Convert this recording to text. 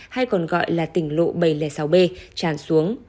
hay còn gọi là tỉnh lộ bảy trăm linh sáu b tràn xuống